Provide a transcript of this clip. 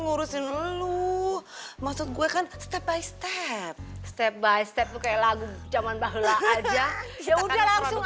ngurusin lu maksud gue kan step by step step by step kayak lagu zaman bahula aja ya udah langsung